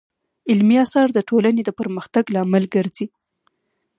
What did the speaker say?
علمي اثار د ټولنې د پرمختګ لامل ګرځي.